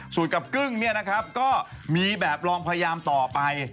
ส่วนกับกึ้งเนี่ยนะครับก็มีแบบลองพยายามต่อไป